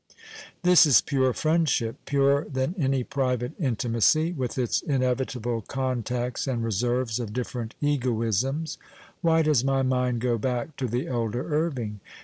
This is pure friendsiiiji, purer than any private intimacy, with its inevitable contacts and reserves of different egoisms. AVhy does my mind go back to the elder Irving